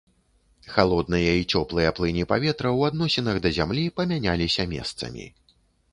Халодныя і цёплыя плыні паветра ў адносінах да зямлі памяняліся месцамі.